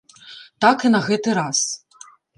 Так і на гэты раз.